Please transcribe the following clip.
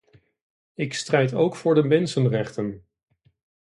Ik strijd ook voor de mensenrechten.